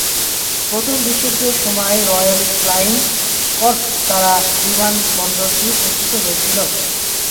প্রথম বিশ্বযুদ্ধের সময় রয়েল ফ্লাইং কর্পস দ্বারা বিমানবন্দরটি প্রতিষ্ঠিত হয়েছিল।